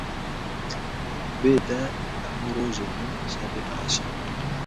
Bê te, hemû rojên min şevên reşin.